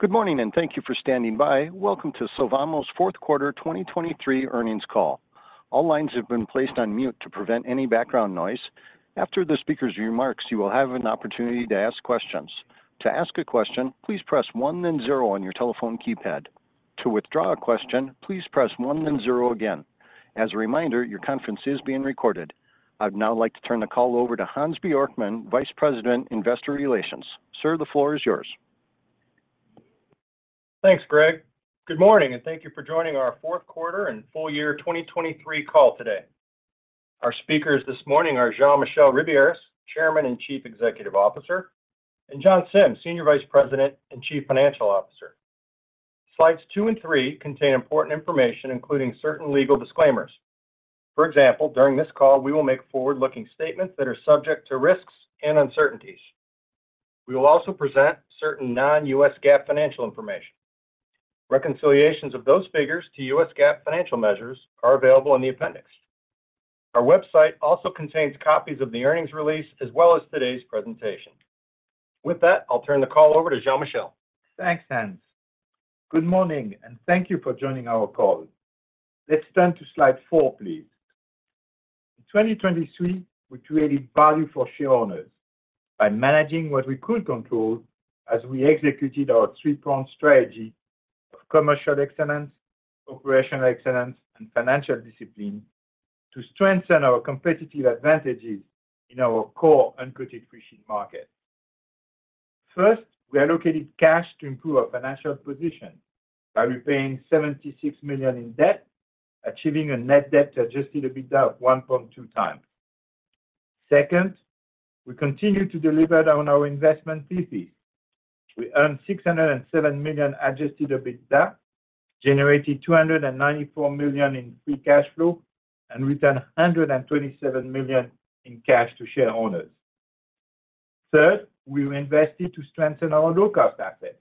Good morning, and thank you for standing by. Welcome to Sylvamo's fourth quarter 2023 earnings call. All lines have been placed on mute to prevent any background noise. After the speaker's remarks, you will have an opportunity to ask questions. To ask a question, please press one then zero on your telephone keypad. To withdraw a question, please again. As a reminder, your conference is being recorded. I'd now like to turn the call over to Hans Bjorkman, Vice President Investor Relations. Sir, the floor is yours. Thanks, Greg. Good morning, and thank you for joining our fourth quarter and full year 2023 call today. Our speakers this morning are Jean-Michel Ribiéras, Chairman and Chief Executive Officer, and John Sims, Senior Vice President and Chief Financial Officer. Slides two and three contain important information, including certain legal disclaimers. For example, during this call, we will make forward-looking statements that are subject to risks and uncertainties. We will also present certain non-U.S. GAAP financial information. Reconciliations of those figures to U.S. GAAP financial measures are available in the appendix. Our website also contains copies of the earnings release as well as today's presentation. With that, I'll turn the call over to Jean-Michel. Thanks, Hans. Good morning, and thank you for joining our call. Let's turn to slide 4, please. In 2023, we created value for shareholders by managing what we could control as we executed our three-pronged strategy of commercial excellence, operational excellence, and financial discipline to strengthen our competitive advantages in our core uncoated freesheet market. First, we allocated cash to improve our financial position by repaying $76 million in debt, achieving a net debt to Adjusted EBITDA of 1.2 times. Second, we continued to deliver on our investment thesis. We earned $607 million Adjusted EBITDA, generated $294 million in free cash flow, and returned $127 million in cash to shareholders. Third, we invested to strengthen our low-cost assets.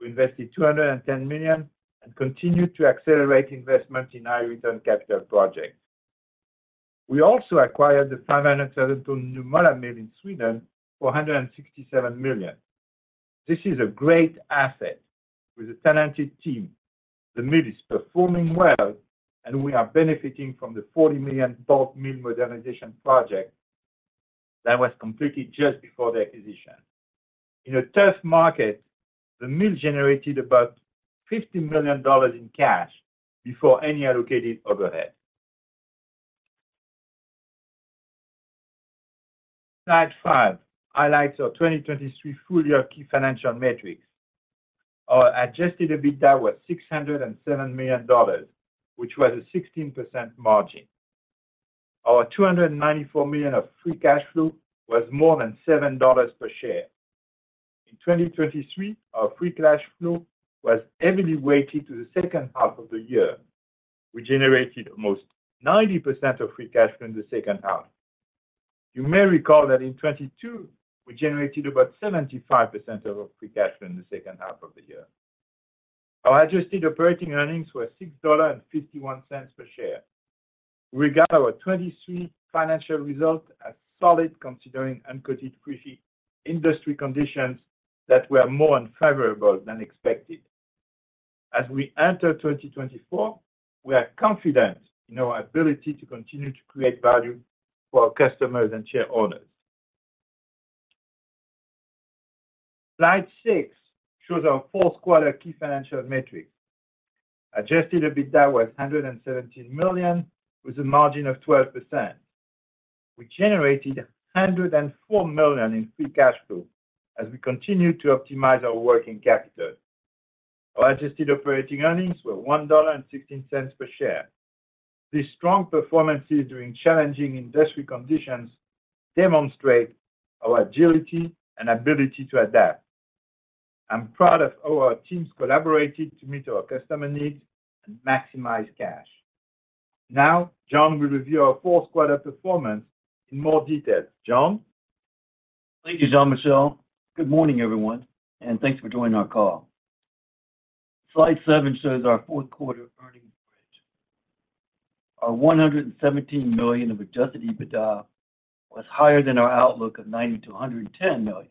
We invested $210 million and continued to accelerate investment in high-return capital projects. We also acquired the 500,000-tonne Nymölla mill in Sweden for $167 million. This is a great asset with a talented team. The mill is performing well, and we are benefiting from the $40 million-dollar mill modernization project that was completed just before the acquisition. In a tough market, the mill generated about $50 million in cash before any allocated overhead. Slide 5 highlights our 2023 full year key financial metrics. Our Adjusted EBITDA was $607 million, which was a 16% margin. Our $294 million of free cash flow was more than $7 per share. In 2023, our free cash flow was heavily weighted to the second half of the year. We generated almost 90% of free cash flow in the second half. You may recall that in 2022, we generated about 75% of free cash flow in the second half of the year. Our adjusted operating earnings were $6.51 per share. We regard our 2023 financial result as solid considering uncoated freesheet industry conditions that were more unfavorable than expected. As we enter 2024, we are confident in our ability to continue to create value for our customers and shareholders. Slide 6 shows our fourth quarter key financial metrics. Adjusted EBITDA was $117 million with a margin of 12%. We generated $104 million in free cash flow as we continued to optimize our working capital. Our adjusted operating earnings were $1.16 per share. These strong performances during challenging industry conditions demonstrate our agility and ability to adapt. I'm proud of how our teams collaborated to meet our customer needs and maximize cash. Now, John will review our fourth quarter performance in more detail. John? Thank you, Jean-Michel. Good morning, everyone, and thanks for joining our call. Slide 7 shows our fourth quarter earnings bridge. Our $117 million of Adjusted EBITDA was higher than our outlook of $90-$110 million.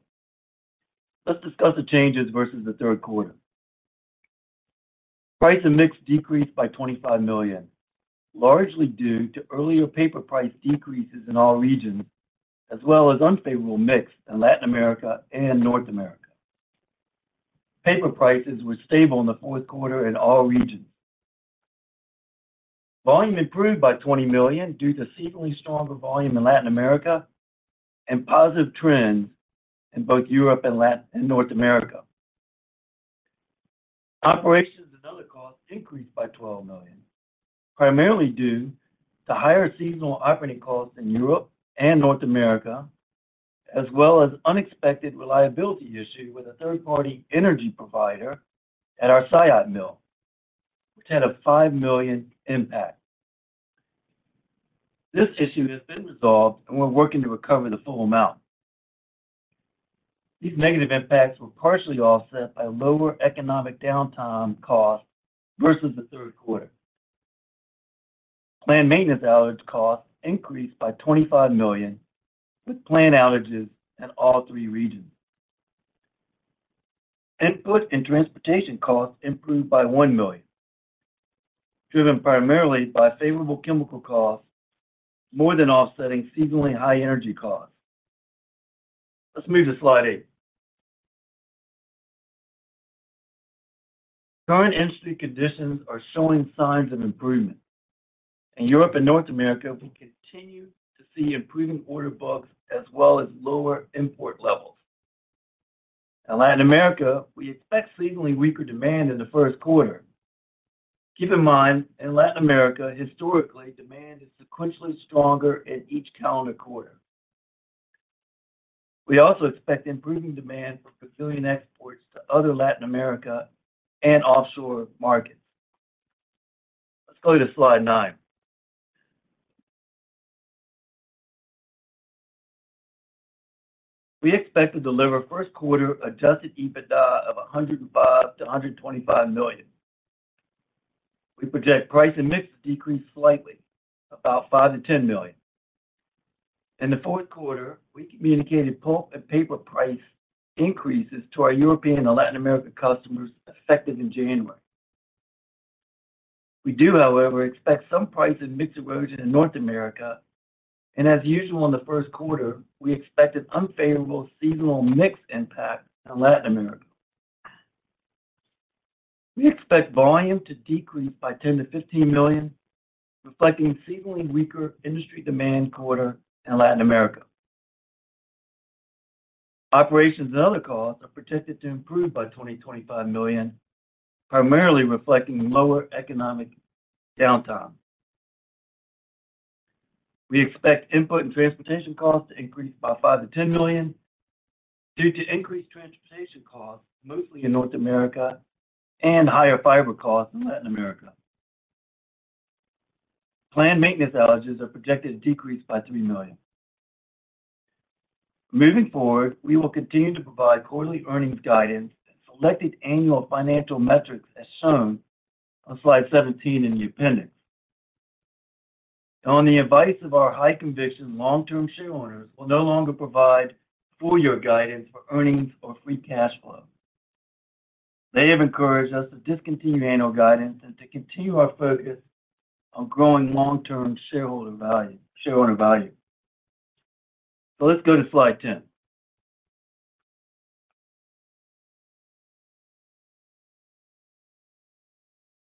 Let's discuss the changes versus the third quarter. Price and mix decreased by $25 million, largely due to earlier paper price decreases in all regions as well as unfavorable mix in Latin America and North America. Paper prices were stable in the fourth quarter in all regions. Volume improved by $20 million due to seasonally stronger volume in Latin America and positive trends in both Europe and North America. Operations and other costs increased by $12 million, primarily due to higher seasonal operating costs in Europe and North America as well as unexpected reliability issue with a third-party energy provider at our Saillat Mill, which had a $5 million impact. This issue has been resolved, and we're working to recover the full amount. These negative impacts were partially offset by lower economic downtime costs versus the third quarter. Planned maintenance outage costs increased by $25 million with planned outages in all three regions. Input and transportation costs improved by $1 million, driven primarily by favorable chemical costs more than offsetting seasonally high energy costs. Let's move to slide 8. Current industry conditions are showing signs of improvement in Europe and North America. We continue to see improving order backlogs as well as lower import levels. In Latin America, we expect seasonally weaker demand in the first quarter. Keep in mind, in Latin America, historically, demand is sequentially stronger in each calendar quarter. We also expect improving demand for pulp exports to other Latin America and offshore markets. Let's go to slide 9. We expect to deliver first quarter Adjusted EBITDA of $105-$125 million. We project price and mix to decrease slightly, about $5-$10 million. In the fourth quarter, we communicated pulp and paper price increases to our European and Latin America customers effective in January. We do, however, expect some price and mix erosion in North America. As usual in the first quarter, we expected unfavorable seasonal mix impact in Latin America. We expect volume to decrease by $10-$15 million, reflecting seasonally weaker industry demand quarter in Latin America. Operations and other costs are projected to improve by $20-$25 million, primarily reflecting lower economic downtime. We expect input and transportation costs to increase by $5-$10 million due to increased transportation costs mostly in North America and higher fiber costs in Latin America. Planned maintenance outages are projected to decrease by $3 million. Moving forward, we will continue to provide quarterly earnings guidance and selected annual financial metrics as shown on slide 17 in the appendix. On the advice of our high-conviction long-term shareholders, we'll no longer provide full-year guidance for earnings or free cash flow. They have encouraged us to discontinue annual guidance and to continue our focus on growing long-term shareholder value. So let's go to slide 10.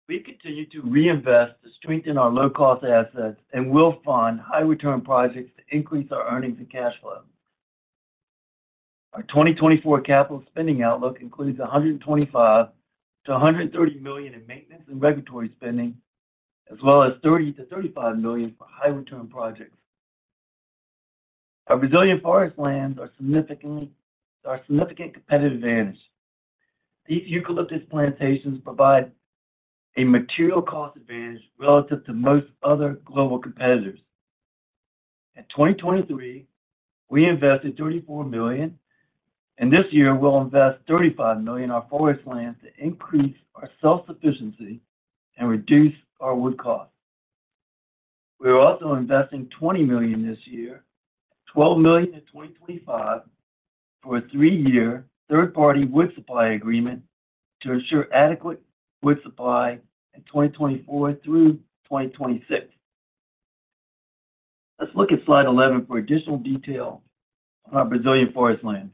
We continue to reinvest to strengthen our low-cost assets and will fund high-return projects to increase our earnings and cash flow. Our 2024 capital spending outlook includes $125-$130 million in maintenance and regulatory spending, as well as $30-$35 million for high-return projects. Our resilient forest lands are a significant competitive advantage. These eucalyptus plantations provide a material cost advantage relative to most other global competitors. In 2023, we invested $34 million, and this year we'll invest $35 million in our forest lands to increase our self-sufficiency and reduce our wood costs. We are also investing $20 million this year, $12 million in 2025, for a three-year third-party wood supply agreement to ensure adequate wood supply in 2024 through 2026. Let's look at slide 11 for additional detail on our resilient forest lands.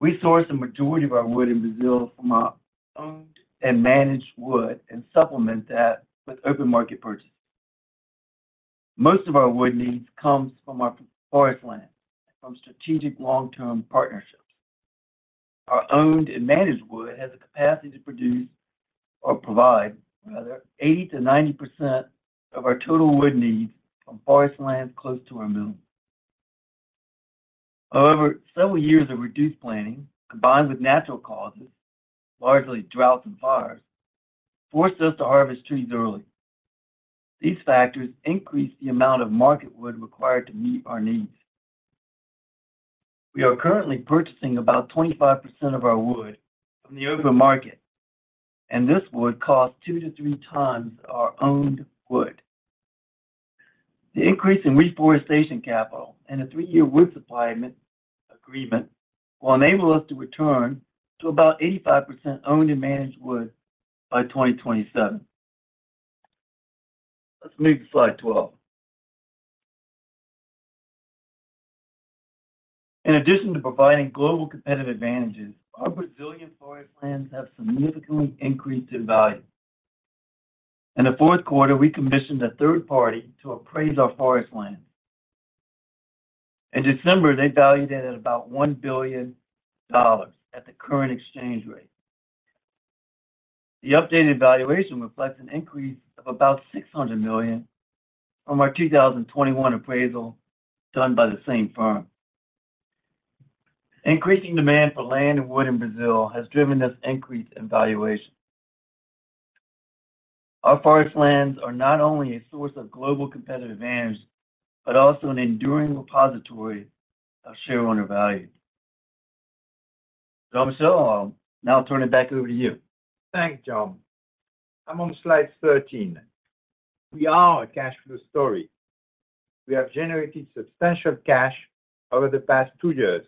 We source the majority of our wood in Brazil from our owned and managed wood and supplement that with open market purchases. Most of our wood needs come from our forest lands from strategic long-term partnerships. Our owned and managed wood has the capacity to produce or provide, rather, 80%-90% of our total wood needs from forest lands close to our mill. However, several years of reduced plan, combined with natural causes, largely droughts and fires, forced us to harvest trees early. These factors increased the amount of market wood required to meet our needs. We are currently purchasing about 25% of our wood from the open market, and this wood costs 2-3 times our owned wood. The increase in reforestation capital and a three-year wood supply agreement will enable us to return to about 85% owned and managed wood by 2027. Let's move to slide 12. In addition to providing global competitive advantages, our Brazilian forest lands have significantly increased in value. In the fourth quarter, we commissioned a third party to appraise our forest lands. In December, they valued it at about $1 billion at the current exchange rate. The updated valuation reflects an increase of about $600 million from our 2021 appraisal done by the same firm. Increasing demand for land and wood in Brazil has driven this increase in valuation. Our forest lands are not only a source of global competitive advantage but also an enduring repository of shareholder value. Jean-Michel, I'll now turn it back over to you. Thanks, John. I'm on slide 13. We are a cash flow story. We have generated substantial cash over the past two years.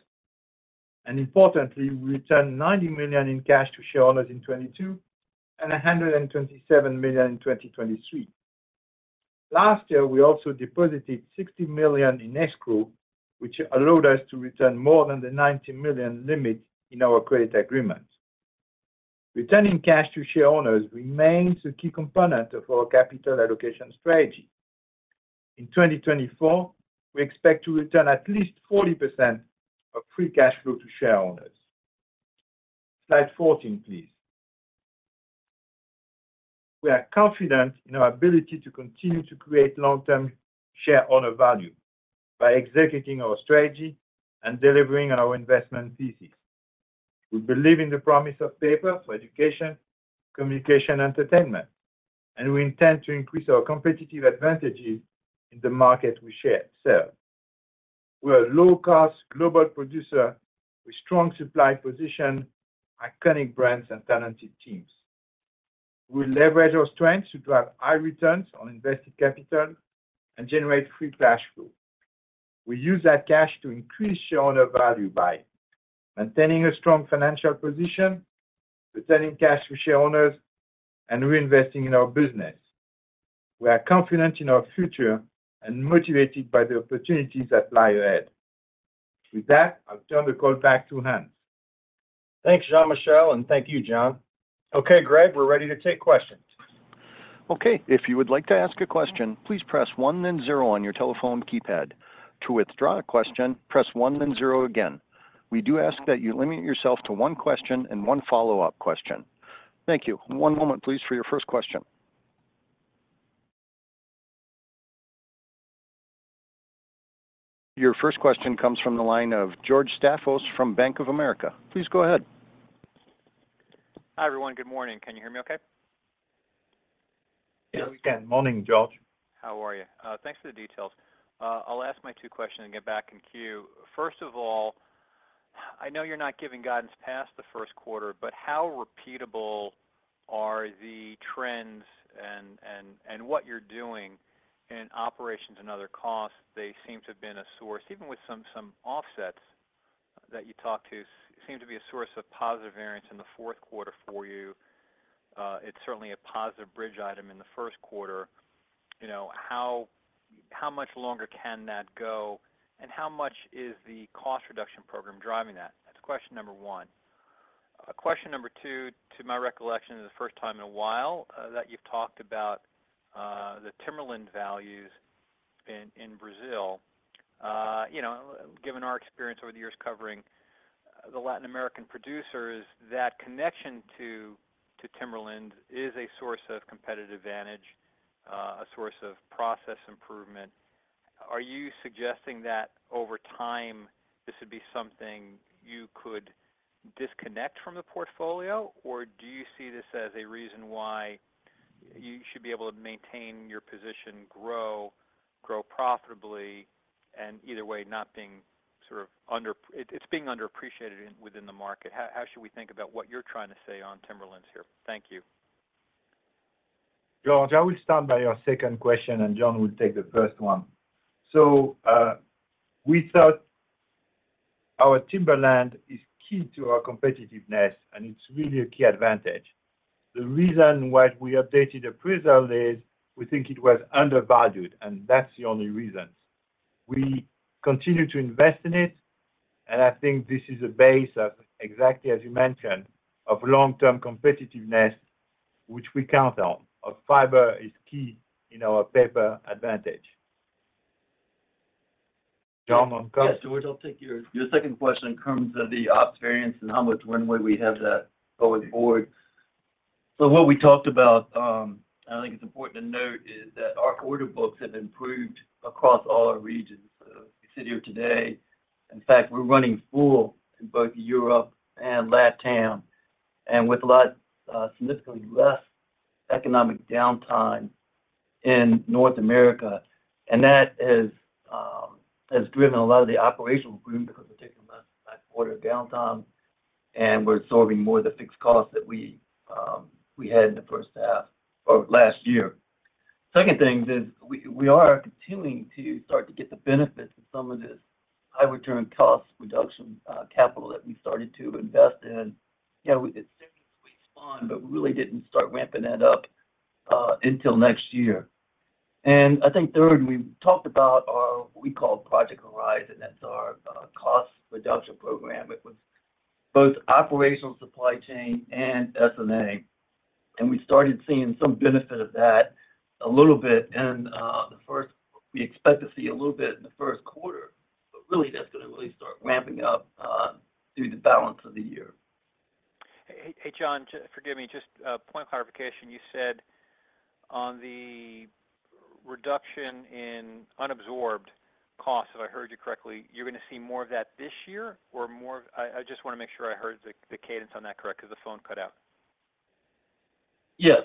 Importantly, we returned $90 million in cash to shareholders in 2022 and $127 million in 2023. Last year, we also deposited $60 million in escrow, which allowed us to return more than the $90 million limit in our credit agreement. Returning cash to shareholders remains a key component of our capital allocation strategy. In 2024, we expect to return at least 40% of free cash flow to shareholders. Slide 14, please. We are confident in our ability to continue to create long-term shareholder value by executing our strategy and delivering on our investment thesis. We believe in the promise of paper for education, communication, and entertainment, and we intend to increase our competitive advantages in the market we serve. We're a low-cost global producer with strong supply positions, iconic brands, and talented teams. We leverage our strengths to drive high returns on invested capital and generate free cash flow. We use that cash to increase shareholder value by maintaining a strong financial position, returning cash to shareholders, and reinvesting in our business. We are confident in our future and motivated by the opportunities that lie ahead. With that, I'll turn the call back to Hans. Thanks, Jean-Michel, and thank you, John. Okay, Greg, we're ready to take questions. Okay. If you would like to ask a question, please press one then zero on your telephone keypad. To withdraw a question, press one then zero again. We do ask that you limit yourself to one question and one follow-up question. Thank you. One moment, please, for your first question. Your first question comes from the line of George Staphos from Bank of America. Please go ahead. Hi, everyone. Good morning. Can you hear me okay? Yes, we can. Morning, George. How are you? Thanks for the details. I'll ask my two questions and get back in queue. First of all, I know you're not giving guidance past the first quarter, but how repeatable are the trends and what you're doing in operations and other costs? They seem to have been a source, even with some offsets that you talked to, seem to be a source of positive variance in the fourth quarter for you. It's certainly a positive bridge item in the first quarter. How much longer can that go, and how much is the cost reduction program driving that? That's question number one. Question number two, to my recollection, is the first time in a while that you've talked about the Timberland values in Brazil. Given our experience over the years covering the Latin American producers, that connection to timberlands is a source of competitive advantage, a source of process improvement. Are you suggesting that over time, this would be something you could disconnect from the portfolio, or do you see this as a reason why you should be able to maintain your position, grow profitably, and either way not being sort of under its being underappreciated within the market? How should we think about what you're trying to say on timberlands here? Thank you. George, I will start by your second question, and John will take the first one. So we thought our timberland is key to our competitiveness, and it's really a key advantage. The reason why we updated appraisal is we think it was undervalued, and that's the only reason. We continue to invest in it, and I think this is a base of, exactly as you mentioned, of long-term competitiveness, which we count on. Fiber is key in our paper advantage. John, on comments? Yes, George, I'll take your second question in terms of the ops variance and how much runway we have that going forward. So what we talked about, and I think it's important to note, is that our order books have improved across all our regions. So if you sit here today, in fact, we're running full in both Europe and LatAm and with a lot significantly less economic downtime in North America. And that has driven a lot of the operational improvement because we're taking less backorder downtime, and we're absorbing more of the fixed costs that we had in the first half or last year. Second thing is we are continuing to start to get the benefits of some of this high-return cost reduction capital that we started to invest in. It seems we spent, but we really didn't start ramping that up until next year. And I think third, we talked about what we call Project Horizon. That's our cost reduction program. It was both operational, supply chain, and SG&A. We started seeing some benefit of that a little bit in the first; we expect to see a little bit in the first quarter, but really, that's going to really start ramping up through the balance of the year. Hey, John, forgive me. Just a point of clarification. You said on the reduction in unabsorbed costs, if I heard you correctly, you're going to see more of that this year or more of I just want to make sure I heard the cadence on that correct because the phone cut out? Yes.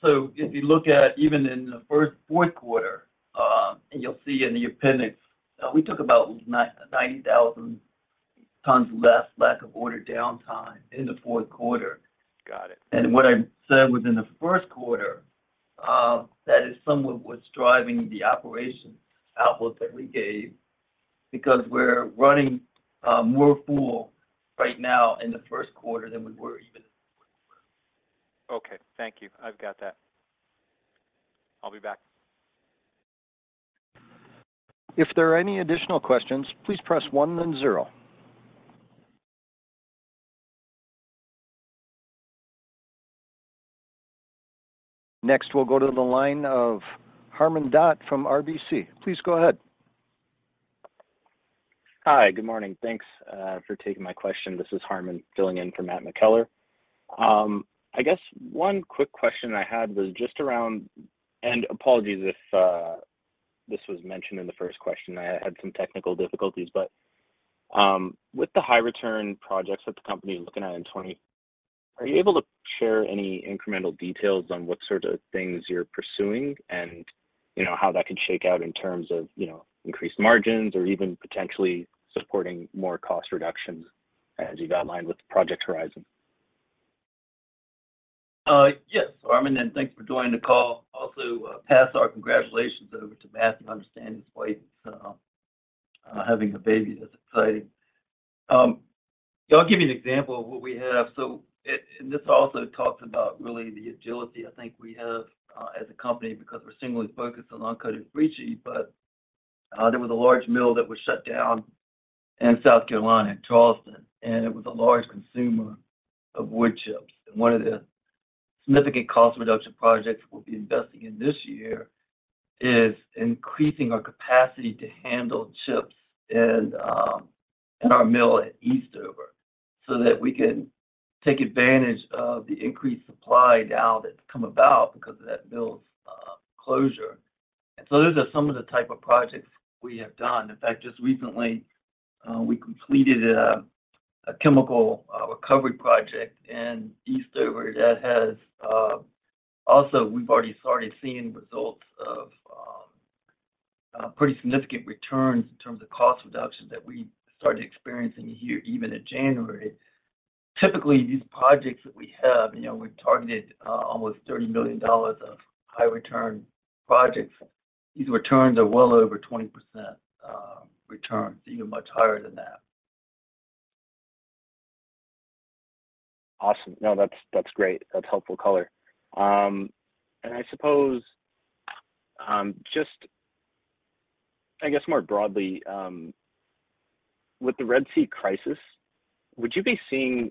So if you look at even in the fourth quarter, and you'll see in the appendix, we took about 90,000 tons less lack of order downtime in the fourth quarter. And what I said was in the first quarter, that is somewhat what's driving the operations outlook that we gave because we're running more full right now in the first quarter than we were even in the fourth quarter. Okay. Thank you. I've got that. I'll be back. If there are any additional questions, please press one then zero. Next, we'll go to the line of Harmon Dott from RBC. Please go ahead. Hi. Good morning. Thanks for taking my question. This is Harmon filling in for Matt McKellar. I guess one quick question I had was just around and apologies if this was mentioned in the first question. I had some technical difficulties. But with the high-return projects that the company is looking at in. Are you able to share any incremental details on what sort of things you're pursuing and how that could shake out in terms of increased margins or even potentially supporting more cost reductions as you've outlined with Project Horizon? Yes, Harmon. Thanks for joining the call. Also, pass our congratulations over to Matt, you understand despite having a baby. That's exciting. I'll give you an example of what we have. This also talks about really the agility I think we have as a company because we're singly focused on uncoated freesheet. There was a large mill that was shut down in South Carolina, in Charleston, and it was a large consumer of wood chips. One of the significant cost reduction projects we'll be investing in this year is increasing our capacity to handle chips in our mill at Eastover so that we can take advantage of the increased supply now that's come about because of that mill's closure. Those are some of the type of projects we have done. In fact, just recently, we completed a chemical recovery project in Eastover that has also, we've already started seeing results of pretty significant returns in terms of cost reduction that we started experiencing here even in January. Typically, these projects that we have, we've targeted almost $30 million of high-return projects. These returns are well over 20% return, even much higher than that. Awesome. No, that's great. That's helpful color. And I suppose just, I guess, more broadly, with the Red Sea crisis, would you be seeing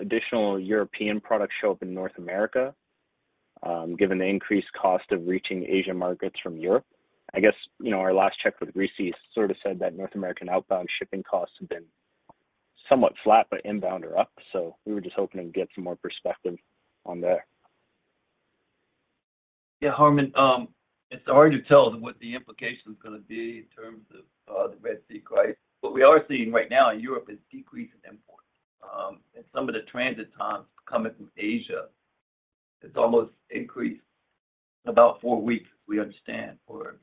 additional European products show up in North America given the increased cost of reaching Asia markets from Europe? I guess our last check with Greece sort of said that North American outbound shipping costs have been somewhat flat but inbound are up. So we were just hoping to get some more perspective on that. Yeah, Harmon, it's hard to tell what the implications are going to be in terms of the Red Sea crisis. What we are seeing right now in Europe is decrease in imports. Some of the transit times coming from Asia, it's almost increased about 4 weeks, as we understand, for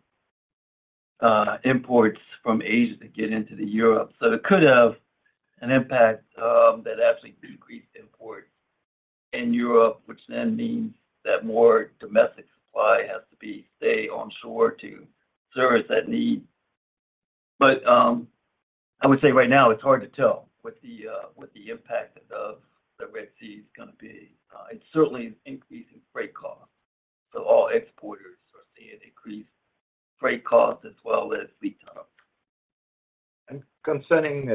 imports from Asia to get into Europe. So it could have an impact that actually decreased imports in Europe, which then means that more domestic supply has to stay onshore to service that need. But I would say right now, it's hard to tell what the impact of the Red Sea is going to be. It certainly is increasing freight costs. So all exporters are seeing increased freight costs as well as fleet times. Concerning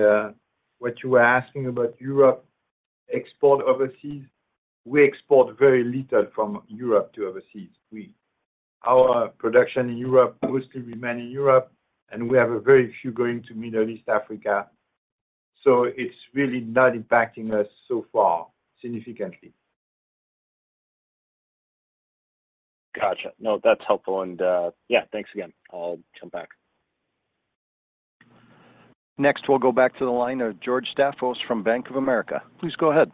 what you were asking about Europe export overseas, we export very little from Europe to overseas. Our production in Europe mostly remains in Europe, and we have very few going to Middle East Africa. So it's really not impacting us so far significantly. Gotcha. No, that's helpful. And yeah, thanks again. I'll jump back. Next, we'll go back to the line of George Staphos from Bank of America. Please go ahead.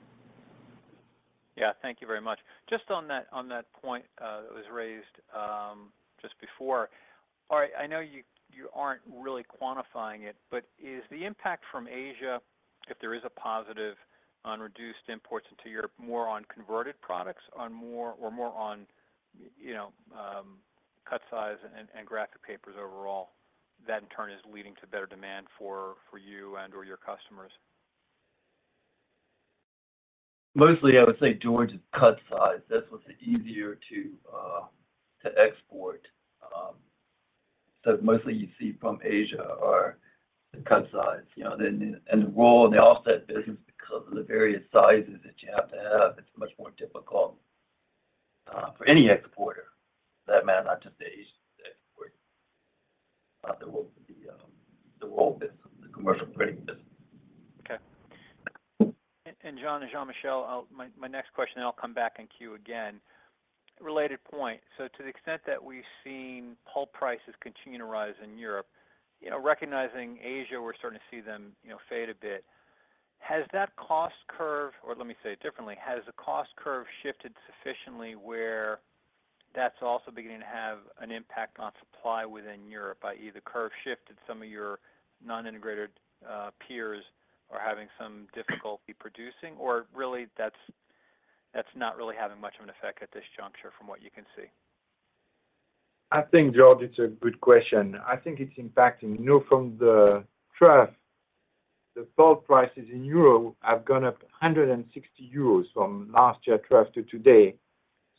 Yeah, thank you very much. Just on that point that was raised just before, all right, I know you aren't really quantifying it, but is the impact from Asia, if there is a positive, on reduced imports into Europe more on converted products or more on cut-size and graphic papers overall that, in turn, is leading to better demand for you and/or your customers? Mostly, I would say, George, it's cut size. That's what's easier to export. So mostly you see from Asia are the cut size. And the roll in the offset business, because of the various sizes that you have to have, it's much more difficult for any exporter for that matter, not just the Asian exporter. The role of the commercial printing business. Okay. John and Jean-Michel, my next question, and I'll come back in queue again. Related point. So to the extent that we've seen pulp prices continue to rise in Europe, recognizing Asia, we're starting to see them fade a bit, has that cost curve or let me say it differently, has the cost curve shifted sufficiently where that's also beginning to have an impact on supply within Europe? Either curve shifted, some of your non-integrated peers are having some difficulty producing, or really, that's not really having much of an effect at this juncture from what you can see? I think, George, it's a good question. I think it's impacting. From the trough, the pulp prices in Europe have gone up 160 euros from last year's trough to today.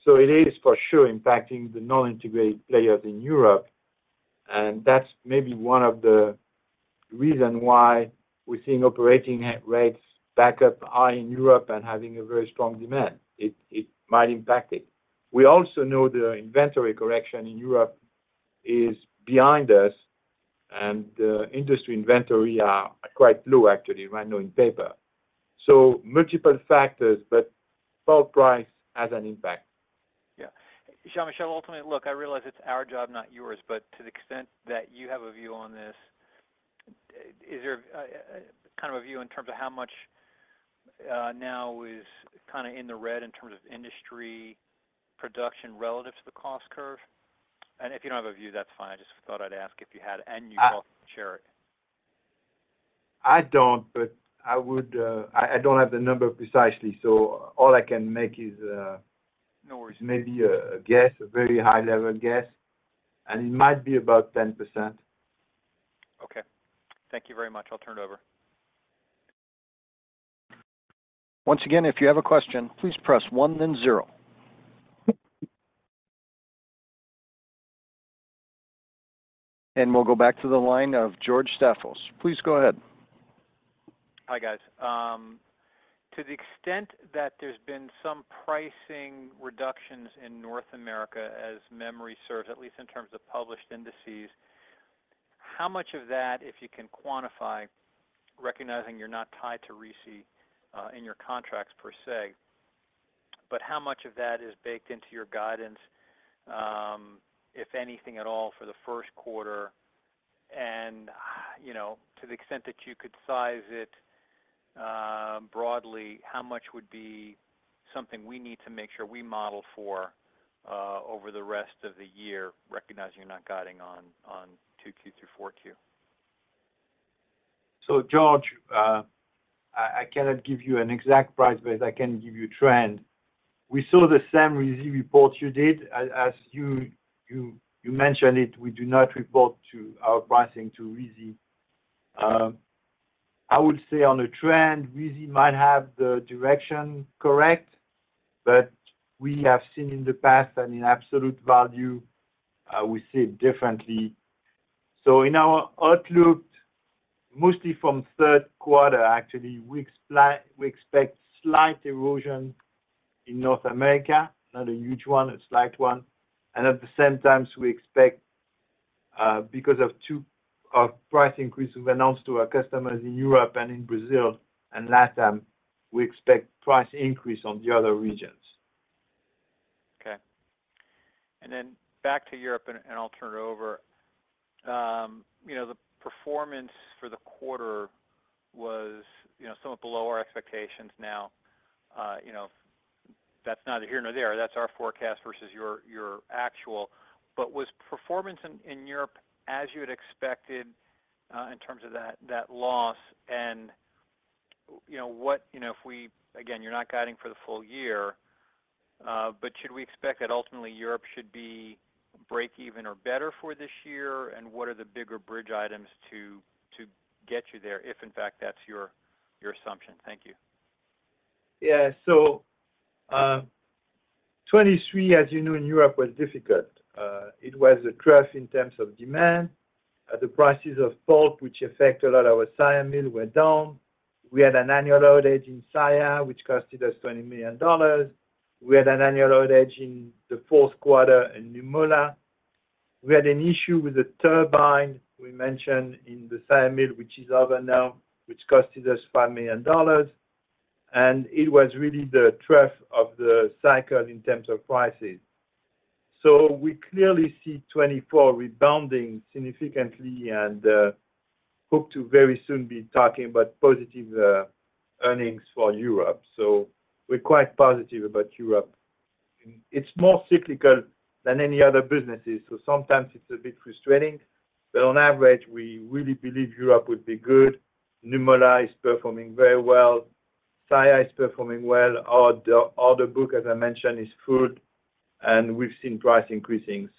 So it is for sure impacting the non-integrated players in Europe. And that's maybe one of the reasons why we're seeing operating rates back up high in Europe and having a very strong demand. It might impact it. We also know the inventory correction in Europe is behind us, and the industry inventory are quite low, actually, right now in paper. So multiple factors, but pulp price has an impact. Yeah. Jean-Michel, ultimately, look, I realize it's our job, not yours, but to the extent that you have a view on this, is there kind of a view in terms of how much now is kind of in the red in terms of industry production relative to the cost curve? And if you don't have a view, that's fine. I just thought I'd ask if you had, and you'd also share it. I don't, but I don't have the number precisely. So all I can make is. No worries. Maybe a guess, a very high-level guess. It might be about 10%. Okay. Thank you very much. I'll turn it over. Once again, if you have a question, please press one then zero. We'll go back to the line of George Staphos. Please go ahead. Hi, guys. To the extent that there's been some pricing reductions in North America as memory serves, at least in terms of published indices, how much of that, if you can quantify, recognizing you're not tied to RISI in your contracts per se, but how much of that is baked into your guidance, if anything at all, for the first quarter? And to the extent that you could size it broadly, how much would be something we need to make sure we model for over the rest of the year, recognizing you're not guiding on 2Q through 4Q? So, George, I cannot give you an exact price, but I can give you a trend. We saw the same RISI report you did. As you mentioned it, we do not report our pricing to RISI. I would say on a trend, RISI might have the direction correct, but we have seen in the past that in absolute value, we see it differently. So in our outlook, mostly from third quarter, actually, we expect slight erosion in North America, not a huge one, a slight one. And at the same time, because of price increases announced to our customers in Europe and in Brazil and LatAm, we expect price increase on the other regions. Okay. And then back to Europe, and I'll turn it over. The performance for the quarter was somewhat below our expectations now. That's neither here nor there. That's our forecast versus your actual. But was performance in Europe as you had expected in terms of that loss? And what if we, again, you're not guiding for the full year, but should we expect that ultimately, Europe should be break-even or better for this year? And what are the bigger bridge items to get you there, if in fact, that's your assumption? Thank you. Yeah. So 2023, as you know, in Europe was difficult. It was a trough in terms of demand. The prices of pulp, which affected a lot of our Saillat mill, went down. We had an annual outage in Saillat, which cost us $20 million. We had an annual outage in the fourth quarter in Nymölla. We had an issue with the turbine we mentioned in the Saillat mill, which is over now, which cost us $5 million. And it was really the trough of the cycle in terms of prices. So we clearly see 2024 rebounding significantly and hope to very soon be talking about positive earnings for Europe. So we're quite positive about Europe. It's more cyclical than any other businesses. So sometimes it's a bit frustrating. But on average, we really believe Europe would be good. Nymölla is performing very well. Saillat is performing well. Order book, as I mentioned, is full, and we've seen price increasing.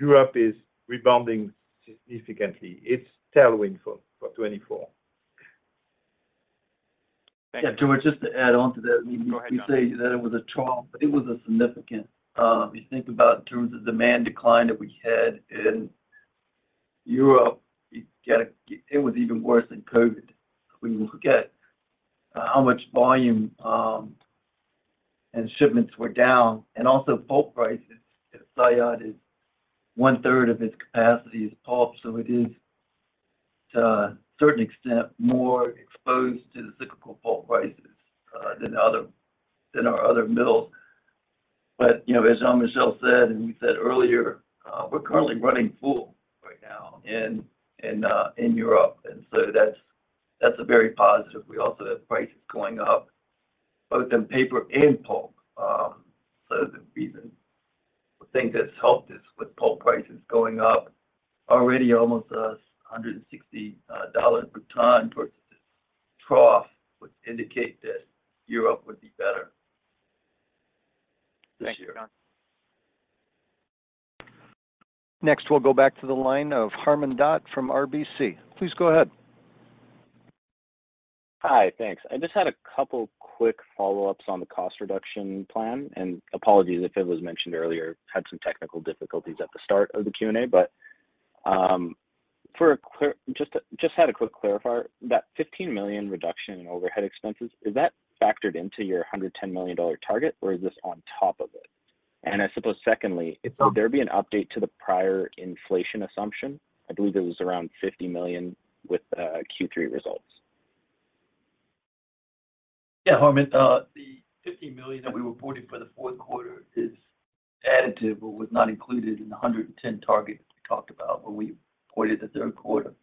Europe is rebounding significantly. It's tailwind for 2024. Yeah, George, just to add on to that. We say that it was a trouble, but it was significant. If you think about in terms of demand decline that we had in Europe, it was even worse than COVID. If we look at how much volume and shipments were down and also pulp prices, Saillat is one-third of its capacity is pulp. So it is, to a certain extent, more exposed to the cyclical pulp prices than our other mills. But as Jean-Michel said, and we said earlier, we're currently running full right now in Europe. And so that's a very positive. We also have prices going up, both in paper and pulp. So the reason we think that's helped is with pulp prices going up already almost $160 per ton versus this trough, which indicates that Europe would be better this year. Thanks, John. Next, we'll go back to the line of Harmon Dott from RBC. Please go ahead. Hi, thanks. I just had a couple quick follow-ups on the cost reduction plan. Apologies if it was mentioned earlier, had some technical difficulties at the start of the Q&A. Just had a quick clarifier. That $15 million reduction in overhead expenses, is that factored into your $110 million target, or is this on top of it? And I suppose, secondly, would there be an update to the prior inflation assumption? I believe it was around $50 million with Q3 results. Yeah, Harmon, the $50 million that we reported for the fourth quarter is additive, but was not included in the $110 million target that we talked about when we reported the third quarter.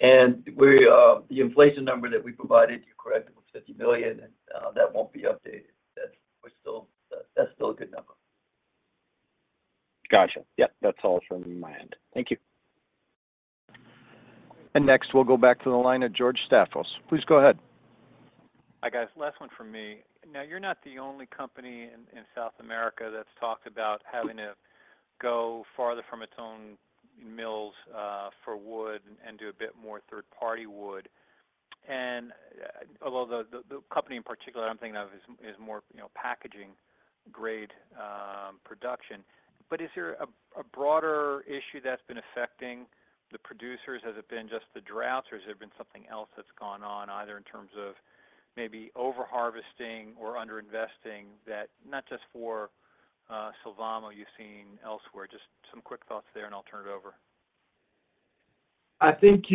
And the inflation number that we provided, you corrected me, was $50 million, and that won't be updated. That's still a good number. Gotcha. Yeah, that's all from my end. Thank you. Next, we'll go back to the line of George Staphos. Please go ahead. Hi, guys. Last one from me. Now, you're not the only company in South America that's talked about having to go farther from its own mills for wood and do a bit more third-party wood. And although the company in particular I'm thinking of is more packaging-grade production, but is there a broader issue that's been affecting the producers? Has it been just the droughts, or has there been something else that's gone on, either in terms of maybe overharvesting or underinvesting that not just for Sylvamo you've seen elsewhere? Just some quick thoughts there, and I'll turn it over. I think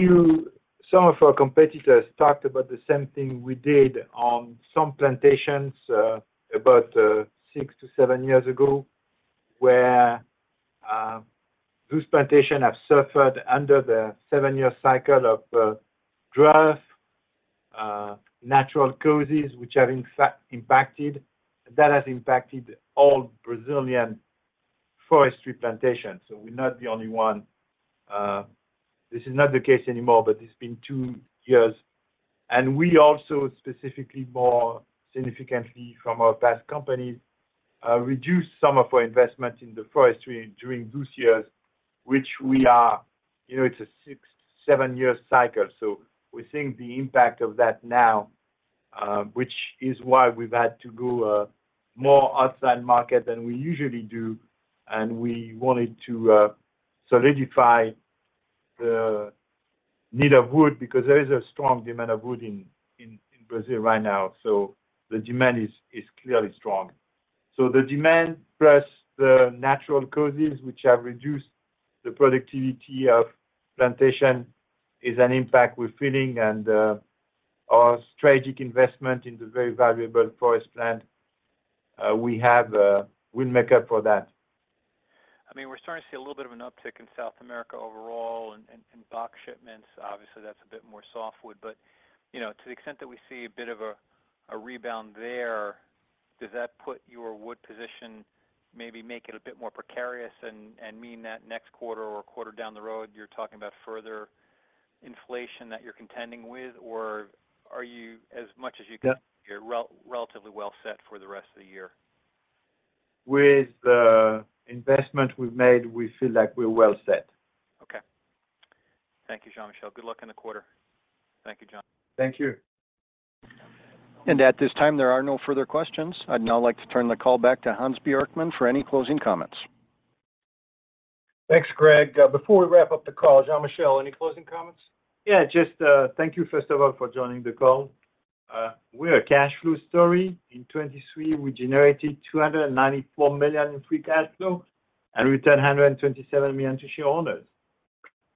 some of our competitors talked about the same thing we did on some plantations about 6-7 years ago, where those plantations have suffered under the 7-year cycle of drought, natural causes, which have impacted. That has impacted all Brazilian forestry plantations. So we're not the only one. This is not the case anymore, but it's been 2 years. And we also, specifically, more significantly from our past companies, reduced some of our investment in the forestry during those years, which we are. It's a 6-7-year cycle. So we're seeing the impact of that now, which is why we've had to go more outside market than we usually do. And we wanted to solidify the need of wood because there is a strong demand of wood in Brazil right now. So the demand is clearly strong. The demand plus the natural causes, which have reduced the productivity of plantation, is an impact we're feeling. Our strategic investment in the very valuable forest plant we have will make up for that. I mean, we're starting to see a little bit of an uptick in South America overall in box shipments. Obviously, that's a bit more softwood. But to the extent that we see a bit of a rebound there, does that put your wood position maybe make it a bit more precarious and mean that next quarter or quarter down the road, you're talking about further inflation that you're contending with? Or are you, as much as you can, relatively well set for the rest of the year? With the investment we've made, we feel like we're well set. Okay. Thank you, Jean-Michel. Good luck in the quarter. Thank you, John. Thank you. At this time, there are no further questions. I'd now like to turn the call back to Hans Bjorkman for any closing comments. Thanks, Greg. Before we wrap up the call, Jean-Michel, any closing comments? Yeah, just thank you, first of all, for joining the call. We're a cash flow story. In 2023, we generated $294 million in free cash flow and returned $127 million to shareholders.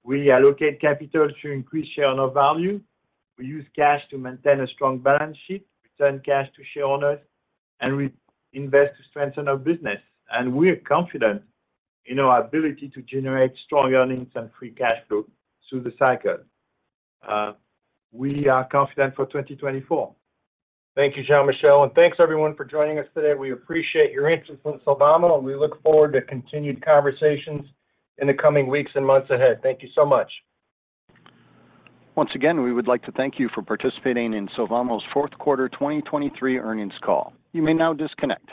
We allocate capital to increase shareholder value. We use cash to maintain a strong balance sheet, return cash to shareholders, and reinvest to strengthen our business. We're confident in our ability to generate strong earnings and free cash flow through the cycle. We are confident for 2024. Thank you, Jean-Michel. Thanks, everyone, for joining us today. We appreciate your interest in Sylvamo, and we look forward to continued conversations in the coming weeks and months ahead. Thank you so much. Once again, we would like to thank you for participating in Sylvamo's fourth quarter 2023 earnings call. You may now disconnect.